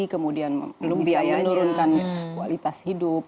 kemudian bisa menurunkan kualitas hidup